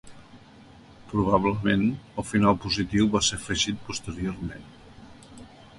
Probablement, el final positiu va ser afegit posteriorment.